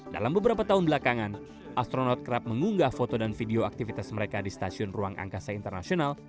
dalam beberapa tahun belakangan astronot kerap mengunggah foto dan video aktivitas mereka di stasiun ruang angkasa internasional